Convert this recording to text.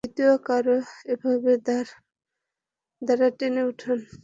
দ্বিতীয় কড়াও এভাবে দাঁত দ্বারা টেনে উঠান।